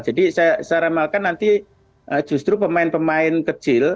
jadi saya ramalkan nanti justru pemain pemain kecil